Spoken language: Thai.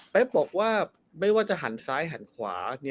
บอกว่าไม่ว่าจะหันซ้ายหันขวา